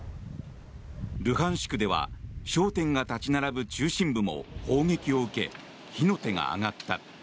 ルハンシクでは商店が立ち並ぶ中心部も砲撃を受け火の手が上がった。